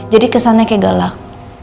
jadi kesannya kayak galak